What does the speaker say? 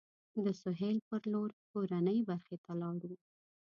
د سهیل پر لور کورنۍ برخې ته لاړو.